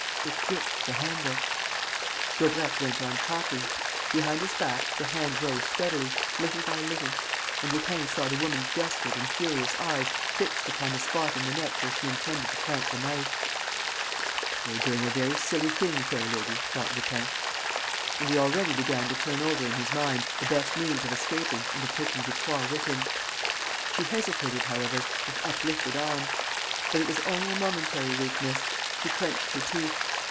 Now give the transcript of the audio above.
It gripped the handle. Daubrecq went on talking. Behind his back, the hand rose steadily, little by little; and Lupin saw the woman's desperate and furious eyes fixed upon the spot in the neck where she intended to plant the knife: "You're doing a very silly thing, fair lady," thought Lupin. And he already began to turn over in his mind the best means of escaping and of taking Victoire with him. She hesitated, however, with uplifted arm. But it was only a momentary weakness. She clenched her teeth.